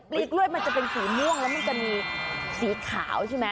ลีกล้วยมันจะเป็นสีม่วงแล้วมันจะมีสีขาวใช่ไหม